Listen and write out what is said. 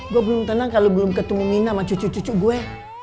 gue belum tenang kalau belum ketemu mina sama cucu cucu gue